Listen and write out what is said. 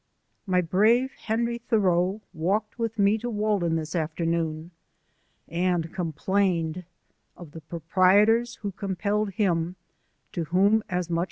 I My brave Henry Thoreau walked with me to Walden this afternoon and complained of the proprietors who compelled him, to whom, as muth a?